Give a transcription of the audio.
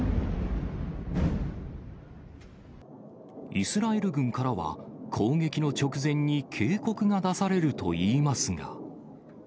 イスラエル軍からは、攻撃の直前に警告が出されるといいますが。